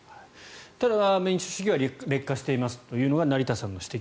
ただ、民主主義は劣化してしまうというのが成田さんの指摘。